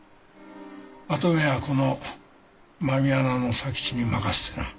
跡目はこの狸穴の佐吉に任せてな。